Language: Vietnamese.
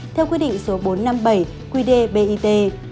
theo quy định số bốn trăm năm mươi bảy qdbit